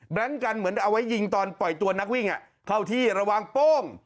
กันเหมือนเอาไว้ยิงตอนปล่อยตัวนักวิ่งเข้าที่ระวังโป้ง